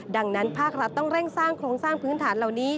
ดังนั้นภาครัฐต้องเร่งสร้างโครงสร้างพื้นฐานเหล่านี้